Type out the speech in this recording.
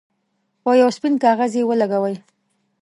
په یو سپین کاغذ یې ولګوئ.